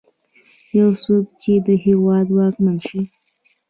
يو څوک چې د هېواد واکمن شي.